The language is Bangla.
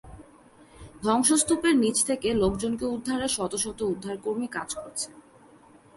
ধ্বংসস্তুপের নিচ থেকে লোকজনকে উদ্ধারে শতশত উদ্ধারকর্মী কাজ করছে।